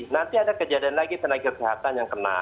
nanti ada kejadian lagi tenaga kesehatan yang kena